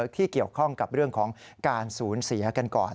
ที่เกี่ยวข้องกับเรื่องของการสูญเสียกันก่อน